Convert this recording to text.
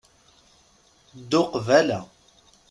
Ddu qbala.